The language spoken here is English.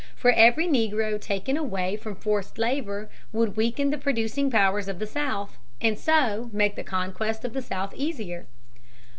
For every negro taken away from forced labor would weaken the producing power of the South and so make the conquest of the South easier.